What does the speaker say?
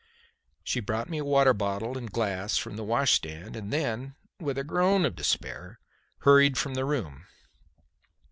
She brought me a water bottle and glass from the wash stand and then, with a groan of despair, hurried from the room.